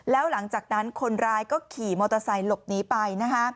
แล้วหลังจากนั้นคนร้ายก็ขี่มอเตอร์ไซค์หลบหนีไป